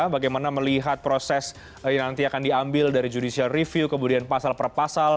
bagaimana melihat proses yang nanti akan diambil dari judicial review kemudian pasal per pasal